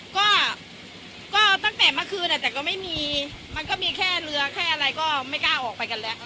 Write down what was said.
ก็ก็ตั้งแต่เมื่อคืนแต่ก็ไม่มีมันก็มีแค่เรือแค่อะไรก็ไม่กล้าออกไปกันแล้ว